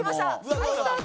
はいスタート。